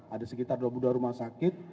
ada sekitar dua puluh dua rumah sakit